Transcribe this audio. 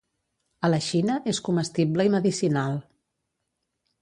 A la Xina és comestible i medicinal.